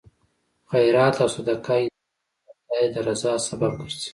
خیرات او صدقه انسان د خدای د رضا سبب ګرځي.